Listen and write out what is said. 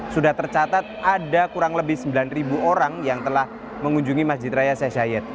sudah tercatat ada kurang lebih sembilan orang yang telah mengunjungi masjid raya sheikh syahid